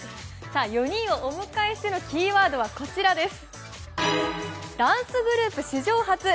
４人をお迎えしてのキーワードはこちらです。